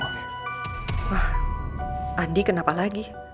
wah andi kenapa lagi